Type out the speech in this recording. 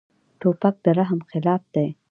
توپک د رحم خلاف دی.